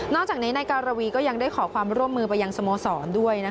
จากนี้นายการวีก็ยังได้ขอความร่วมมือไปยังสโมสรด้วย